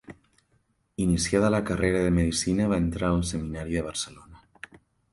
Iniciada la carrera de Medicina va entrar al seminari de Barcelona.